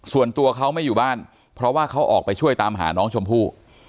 ส่วนตัวเขาไม่อยู่บ้านเพราะว่าเขาออกไปช่วยตามหาน้องชมพู่